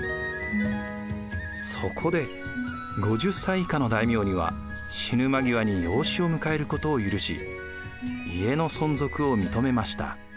そこで５０歳以下の大名には死ぬ間際に養子を迎えることを許し家の存続を認めました。